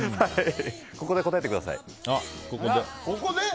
ここで答えてください。